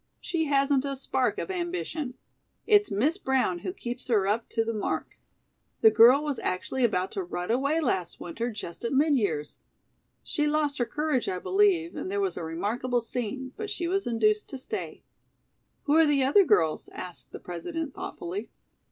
She hasn't a spark of ambition. It's Miss Brown who keeps her up to the mark. The girl was actually about to run away last winter just at mid years. She lost her courage, I believe, and there was a remarkable scene, but she was induced to stay." "Who are the other girls?" asked the President thoughtfully.